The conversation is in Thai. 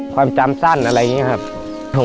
ความจำสั้นอะไรอย่างนี้ครับ